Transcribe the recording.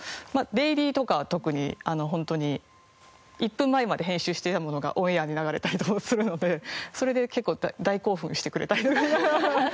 デイリーとかは特にホントに１分前まで編集していたものがオンエアで流れたりとかするのでそれで結構大興奮してくれたりとか。